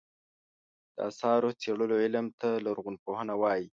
د اثارو څېړلو علم ته لرغونپوهنه وایې.